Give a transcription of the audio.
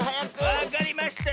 わかりましたよ。